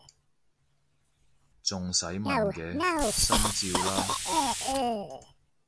仲使問嘅！心照啦！